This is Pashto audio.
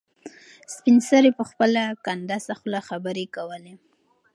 سپین سرې په خپله کنډاسه خوله خبرې کولې.